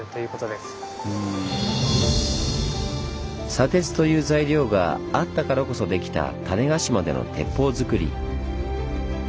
砂鉄という材料があったからこそできた種子島での鉄砲づくり。